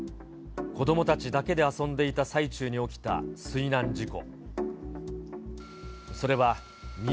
子どもたちだけで遊んでいた最中に起きた水難事故。